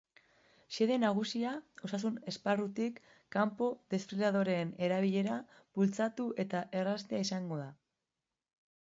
Xede nagusia, osasun esparrutik kanpo desfibriladoreen erabilera bultzatu eta erraztea izango da.